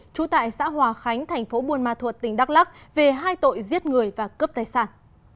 trú tại xã hòa khánh thành phố buôn ma thuột tỉnh đắk lắc về hai tội giết người và cướp tài sản